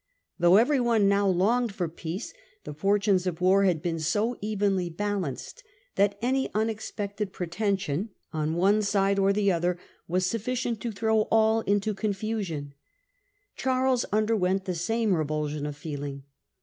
Though every one now longed for peace, the fortunes of war had been so evenly balanced, that any unexpected pretension on one side or the other was sufficient to throw all back into confusion. Charles underwent the same revulsion of feeling.